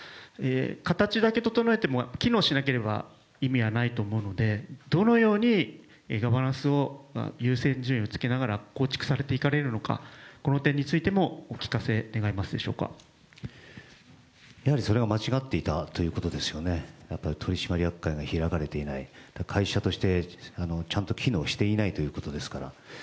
形だけ整えても機能しなければ意味はないと思うので、どのようにガバナンスを優先順位をつけながら構築されていくのか、この点についてもお聞かせ願えますでしょうかやはりそれは間違っていたということですよね、取締役会が開かれていない、会社としてちゃんと機能していないということですから。